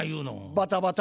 バタバタ。